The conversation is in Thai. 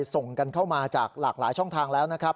ส่งกันเข้ามาจากหลากหลายช่องทางแล้วนะครับ